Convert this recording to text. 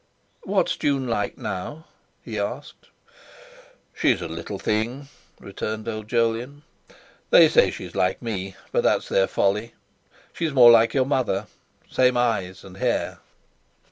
"What is June like now?" he asked. "She's a little thing," returned old Jolyon; "they say she's like me, but that's their folly. She's more like your mother—the same eyes and hair."